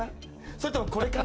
それともこれかな？